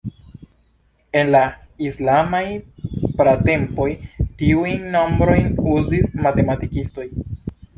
En la islamaj pratempoj, tiujn nombrojn uzis matematikistoj.